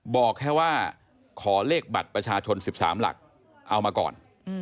บอกแค่ว่าขอเลขบัตรประชาชน๑๓หลักเอามาก่อน